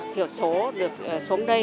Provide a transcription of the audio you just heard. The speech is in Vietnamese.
thiểu số được xuống đây